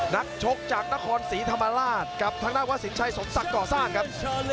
นักชกจากนครศรีธรรมราชกับทางด้านวัดสินชัยสมศักดิ์ก่อสร้างครับ